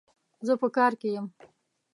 زه په کار کي يم